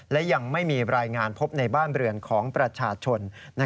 และยังไม่มีรายงานพบในบ้านเรือนของประชาชน